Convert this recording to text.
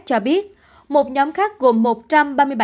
cho biết một nhóm khác gồm